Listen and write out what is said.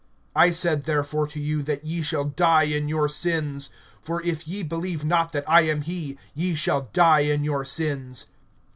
(24)I said therefore to you, that ye shall die in your sins; for if ye believe not that I am he, ye shall die in your sins.